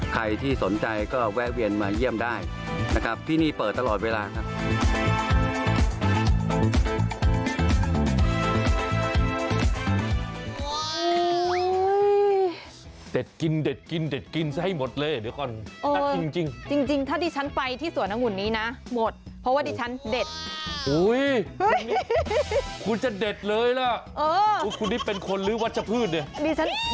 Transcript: ใครที่สนใจก็แวะเวียนมาเยี่ยมได้นะครับที่นี่เปิดตลอดเวลาครับ